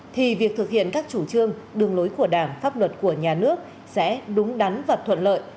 thì việc thực hiện các chủ trương đường lối của đảng pháp luật của nhà nước sẽ đúng đắn và thuận lợi